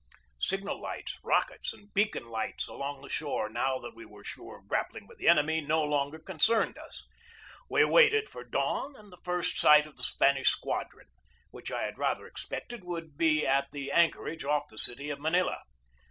Signal lights, rockets, and beacon lights along the shore, now that we were sure of grappling with the enemy, no longer concerned us. We waited for dawn and the first sight of the Spanish squadron, which I had rather expected would be at the anchor age off the city of Manila.